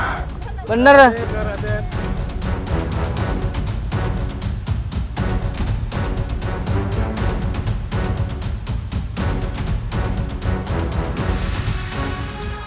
amba dari kerajaan